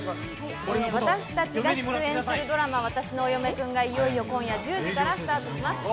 私たちが出演するドラマ「わたしのお嫁くん」がいよいよ今夜１０時からスタートします。